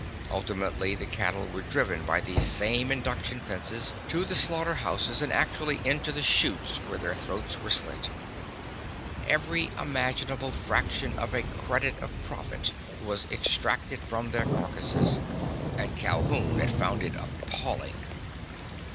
Ultimately the cattle were driven by these same induction fences to the slaughter houses and actually into the chutes where their throats were slit. Every imaginable fraction of a credit of profit was extracted from their carcasses, and Calhoun had found it appalling.